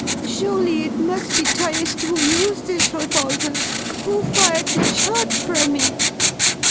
Surely it must be traced who used this revolver, who fired the shot from it?"